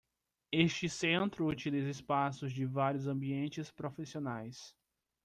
Este centro utiliza espaços de vários ambientes profissionais.